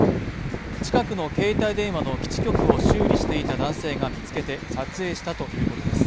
近くの携帯電話の基地局を修理していた男性が見つけて撮影したということです。